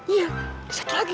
iya ada satu lagi